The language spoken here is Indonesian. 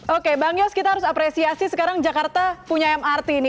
oke bang yos kita harus apresiasi sekarang jakarta punya mrt ini